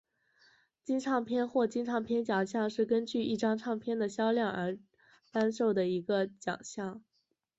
金唱片或金唱片奖项是根据一张唱片的销量而颁授的一个奖项。